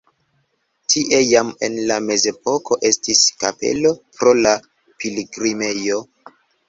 Tie jam en la mezepoko estis kapelo pro la pilgrimejo.